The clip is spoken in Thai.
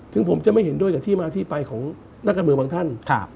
ถึงผมจะไม่เห็นด้วยกับที่มาที่ไปของนักการเมืองบางท่าน